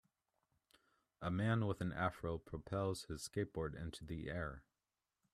A man with an Afro propels his skateboard into the air.